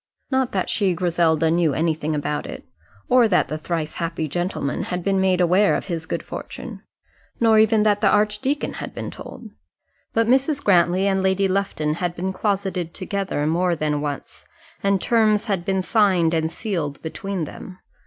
Not that she, Griselda, knew anything about it, or that the thrice happy gentleman had been made aware of his good fortune; nor even had the archdeacon been told. But Mrs. Grantly and Lady Lufton had been closeted together more than once, and terms had been signed and sealed between them.